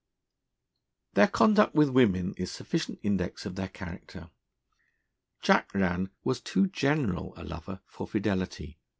Their conduct with women is sufficient index of their character. Jack Rann was too general a lover for fidelity.